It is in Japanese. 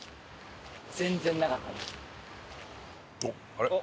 あれ？